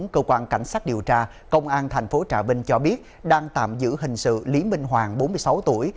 cơ quan cảnh sát điều tra công an tp trà vinh cho biết đang tạm giữ hình sự lý minh hoàng bốn mươi sáu tuổi